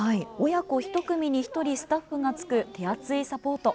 親子１組に１人、スタッフがつく手厚いサポート。